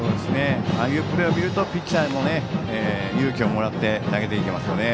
ああいうプレーを見るとピッチャーも勇気をもらって投げていけますよね。